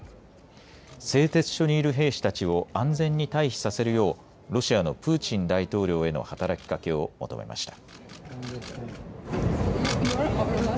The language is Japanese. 製鉄所にいる兵士たちを安全に退避させるようロシアのプーチン大統領への働きかけを求めました。